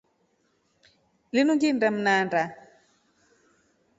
Linu ngilinda mndana.